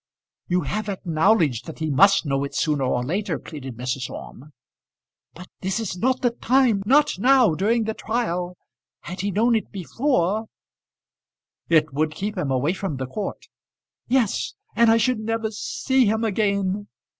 "You have acknowledged that he must know it sooner or later," pleaded Mrs. Orme. "But this is not the time, not now, during the trial. Had he known it before " "It would keep him away from the court." "Yes, and I should never see him again!